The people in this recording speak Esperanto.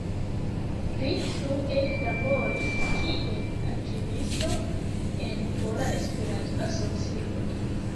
Pli frue laboris kiel arkivisto en Pola Esperanto-Asocio.